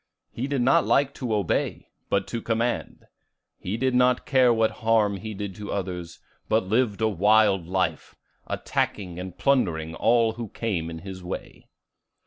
He did not like to obey, but to command. He did not care what harm he did to others, but lived a wild life, attacking and plundering all who came in his way.